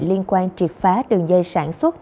liên quan triệt phá đường dây sản xuất